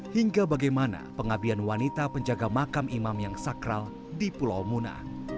hingga bagaimana pengabdian wanita penjaga makam imam yang sakral di pulau muna